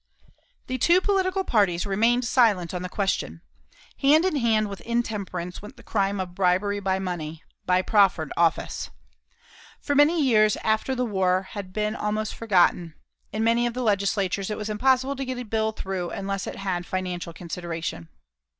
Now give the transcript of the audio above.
The two political parties remained silent on the question. Hand in hand with intemperance went the crime of bribery by money by proffered office. For many years after the war had been almost forgotten, in many of the legislatures it was impossible to get a bill through unless it had financial consideration.